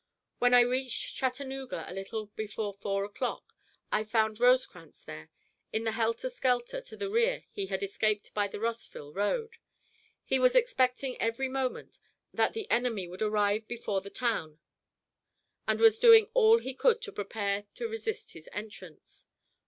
When I reached Chattanooga, a little before four o'clock, I found Rosecrans there. In the helter skelter to the rear he had escaped by the Rossville road. He was expecting every moment that the enemy would arrive before the town, and was doing all he could to prepare to resist his entrance.